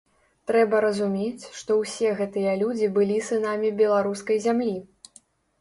Трэба разумець, што ўсе гэтыя людзі былі сынамі беларускай зямлі.